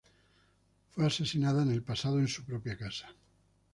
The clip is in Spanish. Fue asesinada en el pasado en su propia casa.